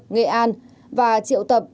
nghệ an và triệu tập